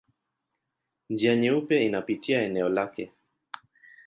Njia Nyeupe inapita eneo lake.